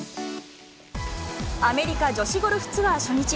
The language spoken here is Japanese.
アメリカ女子ゴルフツアー初日。